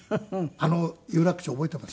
あの有楽町覚えてます？